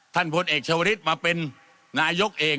ท่านพลเอกชวริตมาเป็นนายกเอง